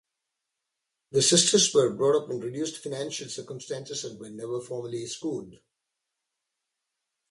The sisters were brought up in reduced financial circumstances, and were never formally schooled.